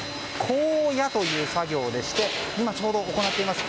紺屋という作業でして今ちょうど行っています。